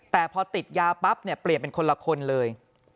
แต่พอติดยาปั๊บเนี่ยเปลี่ยนเป็นคนละคนเลย